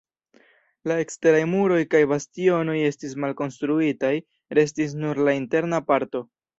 La eksteraj muroj kaj bastionoj estis malkonstruitaj, restis nur la interna parto.